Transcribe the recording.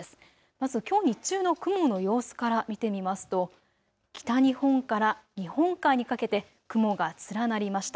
まず、きょう日中の雲の様子から見てみますと北日本から日本海にかけて雲が連なりました。